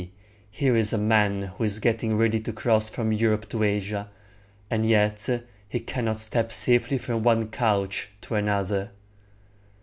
here is a man who is getting ready to cross from Europe to Asia, and yet he cannot step safely from one couch to another."